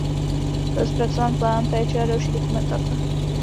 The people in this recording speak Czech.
Byl zpracován plán péče a další dokumentace.